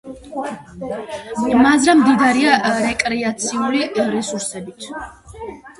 მაზრა მდიდარია რეკრეაციული რესურსებით.